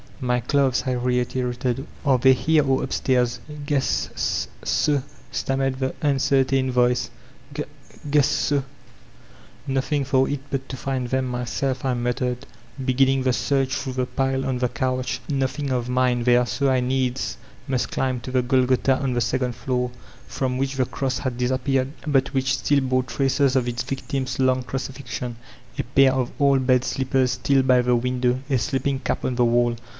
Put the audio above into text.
"My clothes/' I reiterated; ''are they here or up stairs? "Guess s so/' stammered the tmcertain voice, "g guess ''Nothing for it but to find them myself/' I mattered, beginning the search through the pile on the couch. Nothing of mine there, so I needs must climb to the Golgotha on the second floor, from which the Cross had disappeared, but which stiD bore traces of its victim's long crucifixion, — a pair of old bed slippers still by the window, a sleeping<ap on the wall.